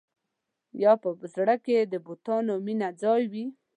یا په زړه کې د بتانو مینه ځای وي.